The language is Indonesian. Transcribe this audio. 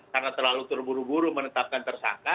karena terlalu terburu buru menetapkan tersangka